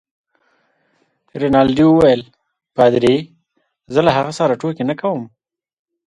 رینالډي وویل: پادري؟ زه له هغه سره ټوکې نه کوم.